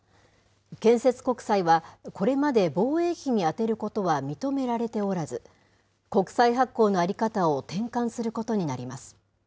建設国債は、これまで防衛費に充てることは認められておらず、国債発行の在り方を転換することになります。